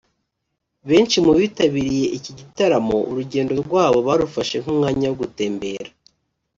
Benshi mu bitabiriye iki gitaramo urugendo rwabo barufashe nk’umwanya wo gutembera